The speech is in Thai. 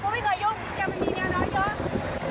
ไม่เคยยุ่งแกมันมีเมียน้อยเยอะ